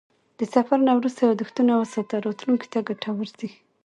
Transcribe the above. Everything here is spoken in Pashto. د سفر نه وروسته یادښتونه وساته، راتلونکي ته ګټور دي.